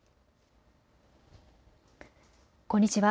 こんにちは。